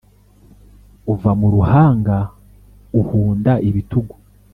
uva mu ruhanga uhunda ibitugu,